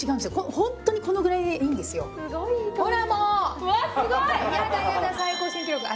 ホントにこのぐらいでいいんですよわあ